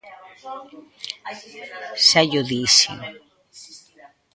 Xa llo dixen.